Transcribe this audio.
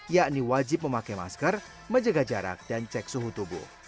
yakni wajib memakai masker menjaga jarak dan cek suhu tubuh